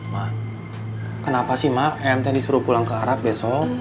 ma kenapa sih em tadi disuruh pulang ke arab besok